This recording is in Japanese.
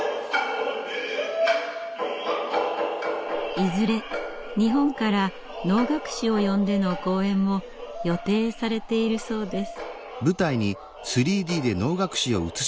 いずれ日本から能楽師を呼んでの公演も予定されているそうです。